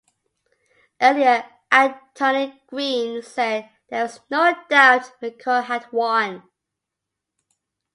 Earlier Antony Green said there was "no doubt" McKew had won.